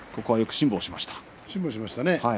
辛抱しましたね。